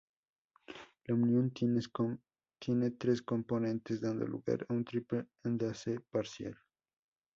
La unión tiene tres componentes, dando lugar a un triple enlace parcial.